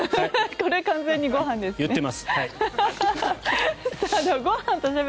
これ、完全にご飯ですね。